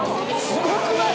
すごくない？